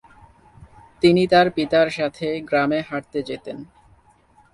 তিনি তার পিতার সাথে গ্রামে হাঁটতে যেতেন।